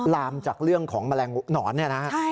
ลามจากเรื่องของแมลงหนอนเนี่ยนะฮะ